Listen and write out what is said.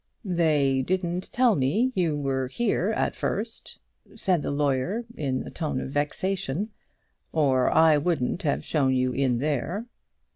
"They didn't tell me you were here at first," said the lawyer, in a tone of vexation, "or I wouldn't have had you shown in there."